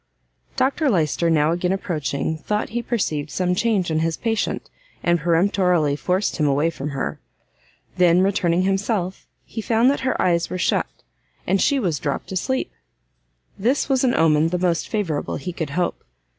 Dr Lyster now again approaching, thought he perceived some change in his patient, and peremptorily forced him away from her: then returning himself, he found that her eyes were shut, and she was dropt asleep. This was an omen the most favourable he could hope.